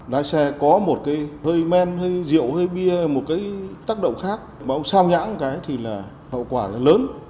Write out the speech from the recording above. lái xe có một cái hơi men hơi rượu hơi bia một cái tác động khác mà ông sao nhãn cái thì là hậu quả lớn